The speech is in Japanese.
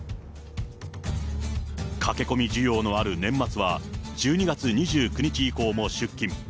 駆け込み需要のある年末は、１２月２９日以降も出勤。